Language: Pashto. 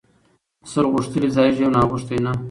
ـ سل غوښتلي ځايږي يو ناغښتى نه.